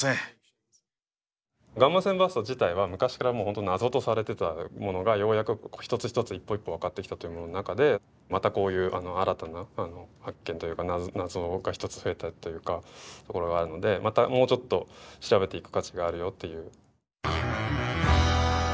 ガンマ線バースト自体は昔からもう本当謎とされてたものがようやく一つ一つ一歩一歩分かってきたという中でまたこういう新たな発見というか謎が一つ増えたというかところがあるのでまたもうちょっと調べていく価値があるよっていう。